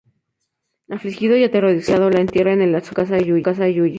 Afligido y aterrorizado, le entierra en el sótano de su casa y huye.